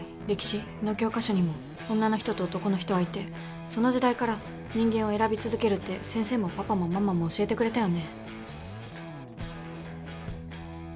歴史？の教科書にも女の人と男の人はいてその時代から人間は選び続けるって先生もパパもママも教えてくれたよね。